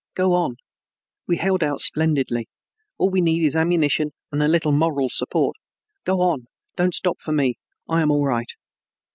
Go on. We held out splendidly. All we need is ammunition and a little moral support. Go on, don't stop for me, I am all right."